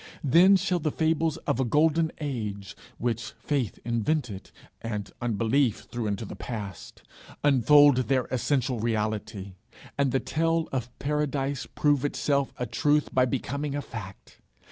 Then shall the fables of a golden age, which faith invented, and unbelief threw into the past, unfold their essential reality, and the tale of paradise prove itself a truth by becoming a fact.